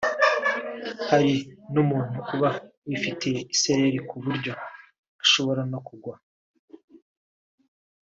hari n’umuntu uba wifitiye isereri ku buryo ashobora no kugwa